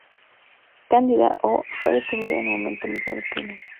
Cándida O. fue detenida en el momento mismo del crimen.